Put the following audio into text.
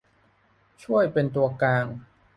ช่วยเป็นตัวกลาง